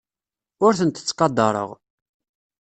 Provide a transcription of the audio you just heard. Ur tent-ttqadareɣ.